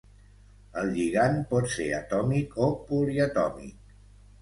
El lligand pot ser atòmic o poliatòmic.